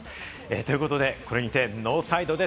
ということでこれにてノーサイドです。